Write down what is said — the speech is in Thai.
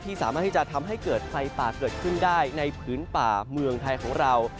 สามารถที่จะทำให้เกิดไฟป่าเกิดขึ้นได้ในพื้นป่าเมืองไทยของเรา